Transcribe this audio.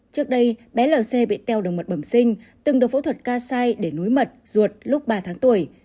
trước đây bé blc bị teo đường mật bầm sinh từng được phẫu thuật ca sai để núi mật ruột lúc ba tháng tuổi